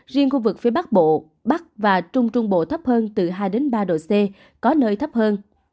riêng khu vực phía bắc bộ bắc và trung trung bộ thấp hơn từ hai ba độ c có nơi thấp hơn